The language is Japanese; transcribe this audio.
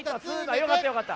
よかったよかった。